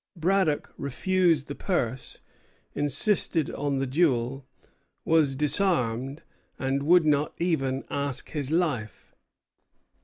Braddock refused the purse, insisted on the duel, was disarmed, and would not even ask his life.